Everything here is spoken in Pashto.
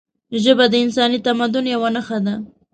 ژبه د انساني تمدن یوه نښه ده